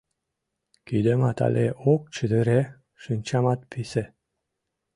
Кидемат але ок чытыре, шинчамат писе».